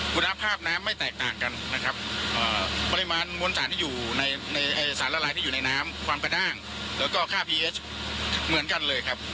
คุณภาพน้ำไม่แตกต่างกันนะครับปริมาณมวลสารที่อยู่ในสารละลายที่อยู่ในน้ำความกระด้างแล้วก็ค่าพีเอสเหมือนกันเลยครับ